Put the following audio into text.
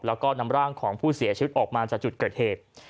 แล้วก็นำร่างของผู้เสียชีวิตออกมาจากจุดเกิดเหตุ